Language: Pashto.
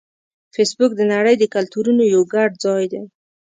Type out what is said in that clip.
فېسبوک د نړۍ د کلتورونو یو ګډ ځای دی